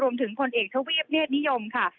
รวมถึงคนเอกชะวีบเนชนิยมค่ะ